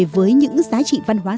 với những giá trị văn hóa